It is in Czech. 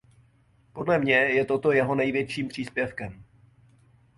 Podle mě je toto jeho největším příspěvkem.